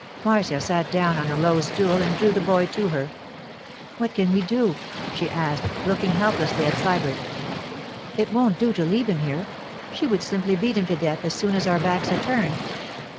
Marcia sat down on a low stool and drew the boy to her. 'What can we do?' she asked, looking helplessly at Sybert. 'It won't do to leave him here. She would simply beat him to death as soon as our backs are turned.